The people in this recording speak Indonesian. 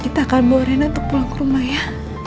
kita akan bawa rena untuk pulang ke rumah ya